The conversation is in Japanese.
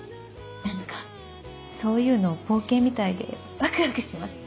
何かそういうの冒険みたいでワクワクします。